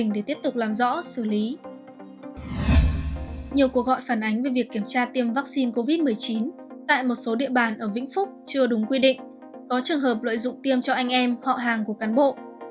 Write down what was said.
nhiều cuộc gọi phản ánh về việc kiểm tra tiêm vaccine covid một mươi chín tại một số địa bàn ở vĩnh phúc chưa đúng quy định có trường hợp lợi dụng tiêm cho anh em họ hàng của cán bộ